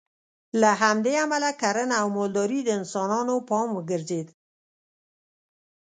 له همدې امله کرنه او مالداري د انسانانو پام وګرځېد